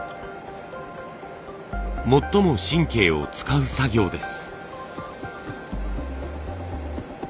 最も神経を使う作業です。